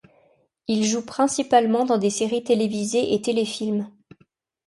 Il joue principalement dans des séries télévisées et téléfilms.